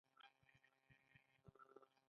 کاناډا د خوړو اداره لري.